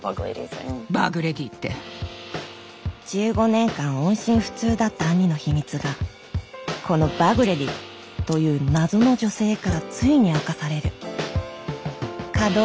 １５年間音信不通だった兄の秘密がこのバグレディという謎の女性からついに明かされるダッド。